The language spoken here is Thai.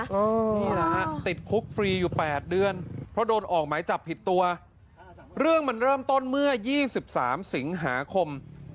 นี่แหละฮะติดคุกฟรีอยู่๘เดือนเพราะโดนออกหมายจับผิดตัวเรื่องมันเริ่มต้นเมื่อ๒๓สิงหาคม